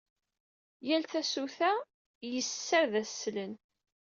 Yal tasuta yes-s ad d-as slen.